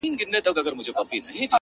• چي امیر خلک له ځانه وه شړلي,